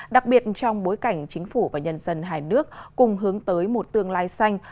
đặc biệt trong bối cảnh chính phủ và nhân dân hai nước cùng hướng tới một tương lai xanh